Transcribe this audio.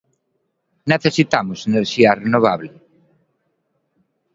¿Necesitamos enerxía renovable?